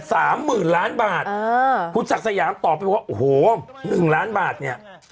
สามหมื่นล้านบาทอ่าคุณศักดิ์สยามตอบไปว่าโอ้โหหนึ่งล้านบาทเนี้ย